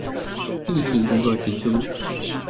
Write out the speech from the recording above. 議題如何提出？